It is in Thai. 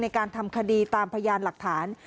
ในการทำคดีตามพยานหลักฐาน